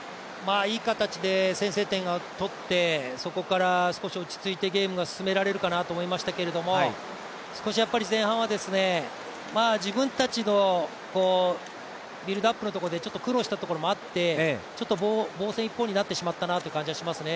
いい形で先制点を取って、そこから少し落ち着いてゲームが進められるかなと思いましたけど、少し前半は、自分たちのビルドアップのところでちょっと苦労したところもあって、防戦一方になってしまったところはありますね。